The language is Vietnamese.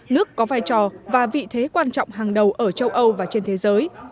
nước có vai trò và vị thế quan trọng hàng đầu ở châu âu và trên thế giới